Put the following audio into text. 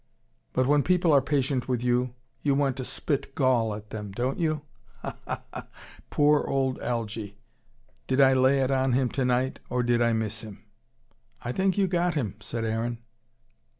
But when people are patient with you, you want to spit gall at them. Don't you? Ha ha ha! Poor old Algy. Did I lay it on him tonight, or did I miss him?" "I think you got him," said Aaron.